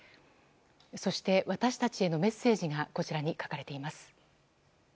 そして、私たちへのメッセージがこちらに書かれています。